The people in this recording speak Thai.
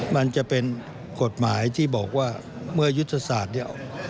มันจะเป็นกฎหมายที่บอกว่าเมื่อยุทธศาสตร์เดียว